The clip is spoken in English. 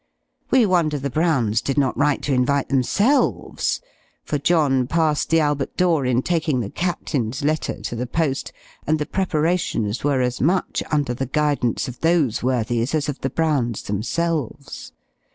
We wonder the Browns did not write to invite themselves; for John passed the Albert door in taking the Captain's letter to the post, and the preparations were as much under the guidance of those worthies as of the Browns themselves.